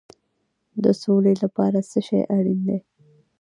د سولې لپاره څه شی اړین دی؟